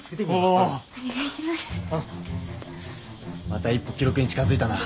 また一歩記録に近づいたな。